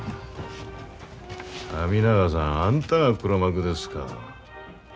神永さんあんたが黒幕ですか。